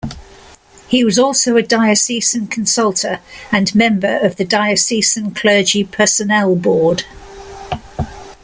He was also a diocesan consultor and member of the Diocesan Clergy Personnel Board.